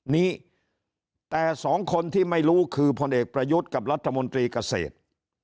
นี้แต่สองคนที่ไม่รู้คือพลเอกประยุทธ์กับรัฐมนตรีเกษตร